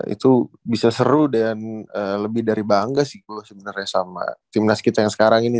itu bisa seru dan lebih dari bangga sih gue sebenarnya sama timnas kita yang sekarang ini